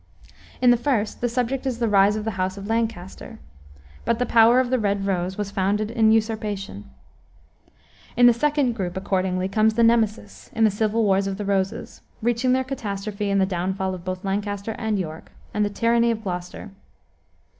In the first the subject is the rise of the house of Lancaster. But the power of the Red Rose was founded in usurpation. In the second group, accordingly, comes the Nemesis, in the civil wars of the Roses, reaching their catastrophe in the downfall of both Lancaster and York, and the tyranny of Gloucester.